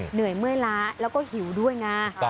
เหนื่อยเมื่อยล้าแล้วก็หิวด้วยไง